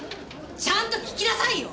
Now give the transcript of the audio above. ちゃんと聞きなさいよ！